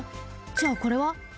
じゃあこれは？